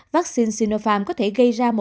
vaccine sinopharm có thể gây ra một số tác dụng phụ